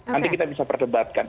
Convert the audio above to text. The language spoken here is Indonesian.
nanti kita bisa perdebatkan